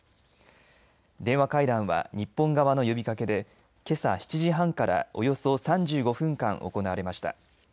電話会談は日本側の呼びかけでけさ７時半からおよそ３５分間行われました。